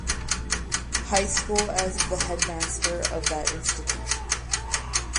High School as the headmaster of that institution.